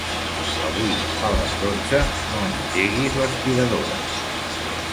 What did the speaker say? Avui a les dotze no engeguis l'aspiradora.